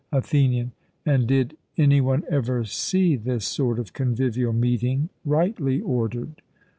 ATHENIAN: And did any one ever see this sort of convivial meeting rightly ordered?